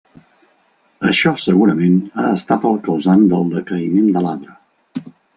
Això segurament ha estat el causant del decaïment de l'arbre.